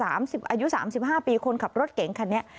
อายุสามสิบห้าปีคนขับรถเก๋งคันเนี่ย